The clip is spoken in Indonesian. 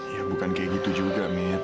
ya bukan kayak gitu juga mir